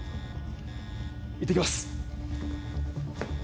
行ってきます